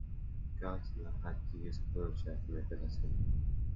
Gardiner had to use a wheelchair for mobility.